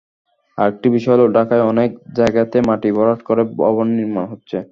আরেকটি বিষয় হলো ঢাকায় অনেক জায়গাতেই মাটি ভরাট করে ভবন নির্মাণ হচ্ছে।